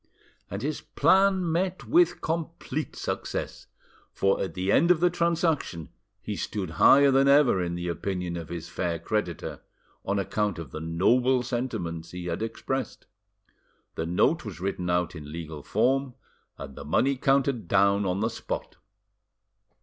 And his plan met with complete success, for at the end of the transaction he stood higher than ever in the opinion of his fair creditor, on account of the noble sentiments he had expressed. The note was written out in legal form and the money counted down on the spot.